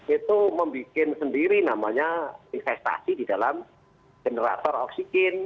itu membuat sendiri namanya investasi di dalam generator oksigen